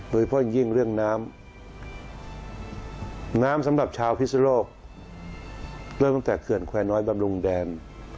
โดยเฉพาะอย่างยิ่งเรื่องน้ำน้ำสำหรับชาวพิศนโลกเริ่มตั้งแต่เขื่อนแควร์น้อยบำรุงแดน